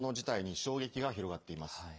前代未聞の事態に衝撃が広がっています。